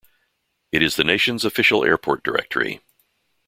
It is the nation's official airport directory.